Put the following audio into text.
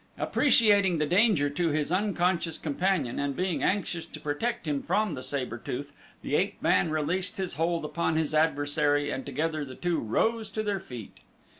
Appreciating the danger to his unconscious companion and being anxious to protect him from the saber tooth the ape man relinquished his hold upon his adversary and together the two rose to their feet.